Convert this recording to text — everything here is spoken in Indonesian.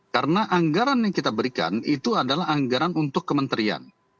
karena anggaran yang kita berikan itu adalah anggaran untuk kementerian